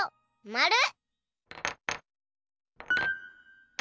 まる。